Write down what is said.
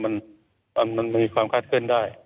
มันมีความคาดเคลื่อนได้